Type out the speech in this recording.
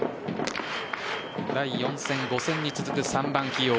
第４戦、５戦に続く３番起用。